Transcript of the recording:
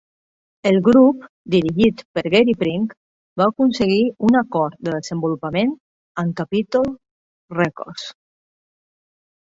El grup, dirigit per Gary Pring, va aconseguir un acord de desenvolupament amb Capitol Records.